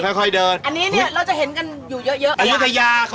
อันนี้เนี่ยเราจะเห็นกันอยู่เยอะ